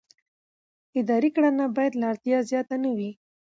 اداري کړنه باید له اړتیا زیاته نه وي.